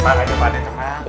pak d aja pak d cuman